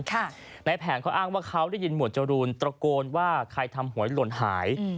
ในแผนเขาอ้างว่าเขาได้ยินหมวดจรูนตระโกนว่าใครทำหวยหล่นหาย